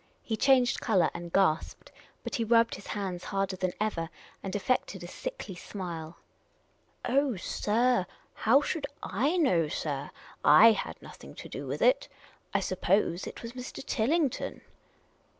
He changed colour and gasped. But he rubbed his hands harder than ever and affected a sickly smile. " Oh, sir, how should /know, sir? / had nothing to do with it. I suppose — it was Mr. Tilling ton."